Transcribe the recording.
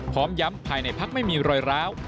พร้อมย้ำภายในพักไม่มีรอยร้าว